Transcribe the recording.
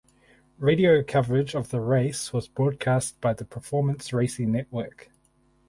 Radio coverage of the race was broadcast by the Performance Racing Network.